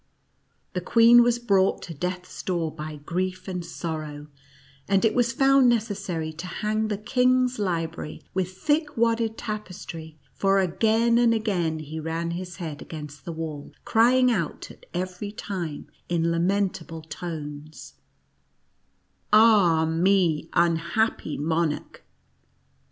The queen was brought to death's door by grief and sorrow, and it was found necessary to hang the king's library with thick wadded tapestry, for again and again he ran his head against the wall, crying out at every time in lamentable tones, a Ah, me, un happy monarch